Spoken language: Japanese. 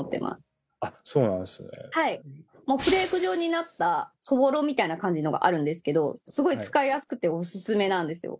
フレーク状になったそぼろみたいな感じのがあるんですけどすごい使いやすくてオススメなんですよ。